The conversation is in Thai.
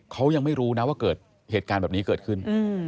เขายังไม่รู้นะว่าเกิดเหตุการณ์แบบนี้เกิดขึ้น